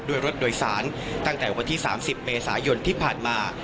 ด้วยรถโดยสารตั้งแต่วันที่๓๐เมษายนที่ผ่านมา